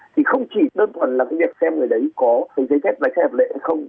thì không chỉ đơn thuần là cái việc xem người đấy có cái giấy phép lái xe hợp lệ hay không